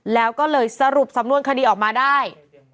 แล้วก็เลยสรุปสำนวนคดีออกมาได้